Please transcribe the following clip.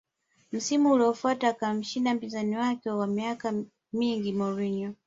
Msimu uliofuata akamshinda mpinzani wake wa miaka mingi Mourinho